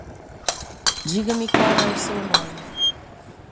Diga-me qual é o seu nome.